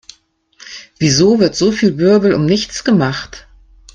Wieso wird so viel Wirbel um nichts gemacht?